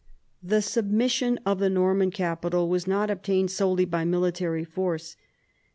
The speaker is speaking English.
The submission of the Norman capital was not obtained solely by military force.